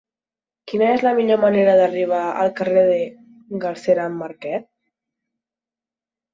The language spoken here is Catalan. Quina és la millor manera d'arribar al carrer de Galceran Marquet?